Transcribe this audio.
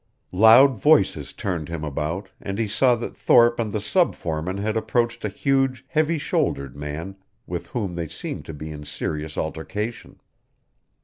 Loud voices turned him about, and he saw that Thorpe and the sub foreman had approached a huge, heavy shouldered man, with whom they seemed to be in serious altercation.